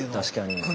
確かに。